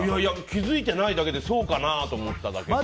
気づいてないだけでそうかなと思っただけかな。